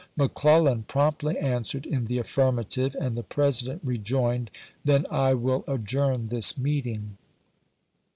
McClellan promptly answered in the affirmative, and the President rejoined, " Then I will adjourn this meeting."